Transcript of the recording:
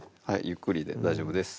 ゆっくりで大丈夫です